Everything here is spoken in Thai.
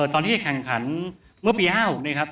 ตอนที่แข่งขันเมื่อปี๕๖นะครับ